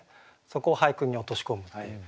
そこを俳句に落とし込むっていう。